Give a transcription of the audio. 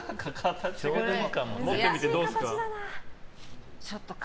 持ってみてどうですか？